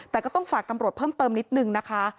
แต่ก็ต้องฝากตำรวจเพิ่มเติมนิดนึงนะคะ